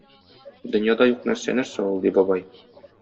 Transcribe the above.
Дөньяда юк нәрсә - нәрсә ул? - ди бабай.